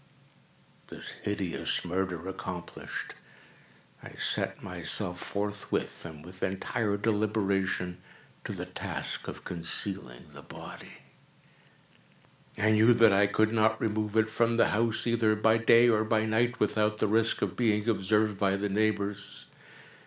This hideous murder accomplished, I set myself forthwith, and with entire deliberation, to the task of concealing the body. I knew that I could not remove it from the house, either by day or by night, without the risk of being observed by the neighbors.